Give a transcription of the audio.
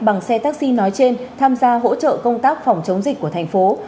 bằng xe taxi nói trên tham gia hỗ trợ công tác phòng chống dịch của thành phố